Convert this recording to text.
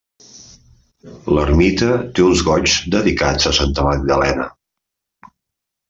L'ermita té uns Goigs dedicats a Santa Magdalena.